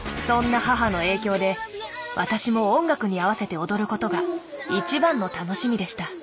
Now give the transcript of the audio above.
そんな母の影響で私も音楽に合わせて踊ることが一番の楽しみでした。